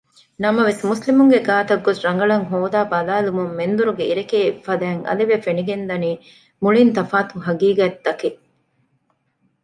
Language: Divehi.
ނަމަވެސް މުސްލިމުންގެ ގާތަށްގޮސް ރަނގަޅަށް ހޯދައި ބަލައިލުމުން މެންދުރުގެ އިރެކޭ އެއްފަދައިން އަލިވެ ފެނިގެންދަނީ މުޅީން ތަފާތު ޙަޤީޤަތްތަކެއް